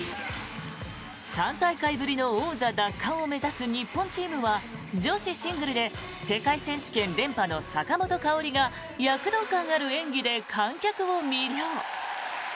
３大会ぶりの王座奪還を目指す日本チームは女子シングルで世界選手権連覇の坂本花織が躍動感ある演技で観客を魅了。